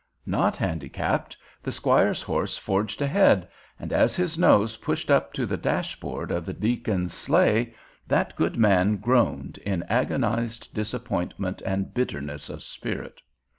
Not handicapped, the squire's horse forged ahead, and as his nose pushed up to the dashboard of the deacon's sleigh, that good man groaned in agonized disappointment and bitterness of spirit.